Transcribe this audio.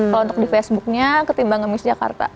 kalau untuk di facebooknya ketimbang ngemis jakarta